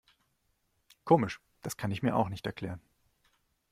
Komisch, das kann ich mir auch nicht erklären.